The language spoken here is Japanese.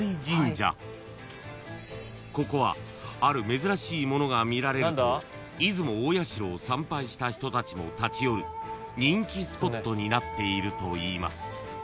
［ここはある珍しいものが見られると出雲大社を参拝した人たちも立ち寄る人気スポットになっているといいます］